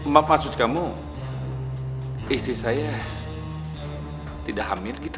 maaf maksud kamu istri saya tidak hamil gitu